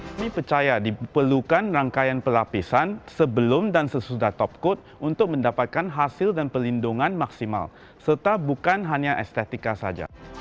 kami percaya diperlukan rangkaian pelapisan sebelum dan sesudah top code untuk mendapatkan hasil dan pelindungan maksimal serta bukan hanya estetika saja